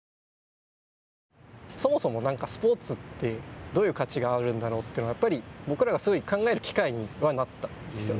そもそもスポーツってどういう価値があるんだろうというのが僕らが、すごい考える機会にはなったんですよ。